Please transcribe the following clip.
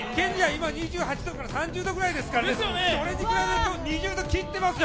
今２８度から３０度くらいですから、それに比べると２０度切ってますよ